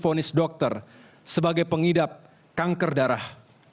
beliau menanggung dokter sebagai pengidap kanker darah